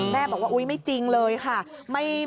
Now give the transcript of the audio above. แม่บอกว่าอุ๊ยไม่จริงเลยค่ะ